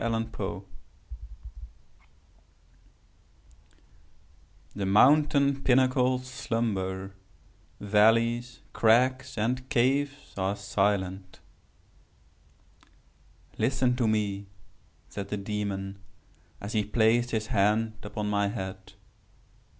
SILENCE—A FABLE "The mountain pinnacles slumber; valleys, crags and caves are silent." "Listen to me," said the Demon as he placed his hand upon my head.